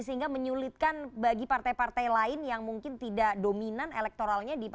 sehingga menyulitkan bagi partai partai lain yang mungkin tidak dominan elektoralnya